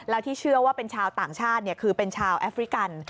แล้วที่เชื่อว่าเป็นชาวต่างชาติคือเป็นชาวแอฟริกัน